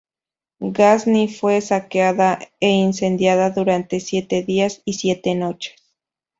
Gazni fue saqueada e incendiada durante siete días y siete noches.